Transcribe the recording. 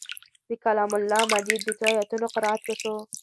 د کلام الله مجید د څو آیتونو قرائت وشو.